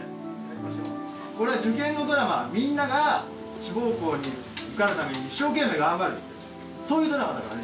これは受験のドラマみんなが志望校に受かるために一生懸命頑張るそういうドラマだからね